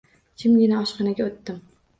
Jimgina oshxonaga o`tdim